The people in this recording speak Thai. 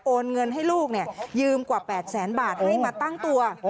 เงินให้ลูกยืมกว่า๘แสนบาทให้มาตั้งตัว